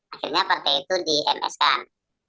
akhirnya partai itu di ms kan